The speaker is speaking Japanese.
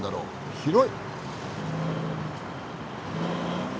広い！